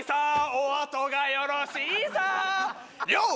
おあとがよろしーさーよっ